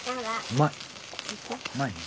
うまいね。